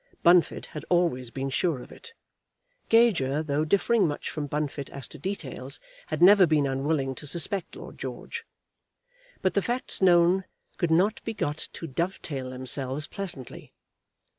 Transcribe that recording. Bunfit had always been sure of it. Gager, though differing much from Bunfit as to details, had never been unwilling to suspect Lord George. But the facts known could not be got to dovetail themselves pleasantly.